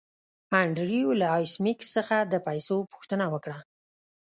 انډریو له ایس میکس څخه د پیسو پوښتنه وکړه